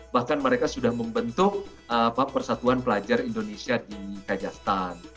bahkan mereka sudah membentuk persatuan pelajar indonesia di kajastan